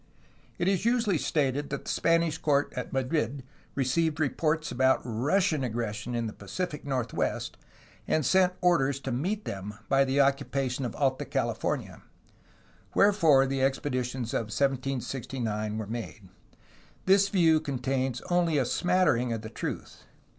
It is usually stated that the Spanish court at Madrid received reports about Russian aggressions in the Pacific northwest, and sent orders to meet them by the occupation of Alta California, wherefore the expeditions of 1769 were made. This view contains only a smattering of the truth.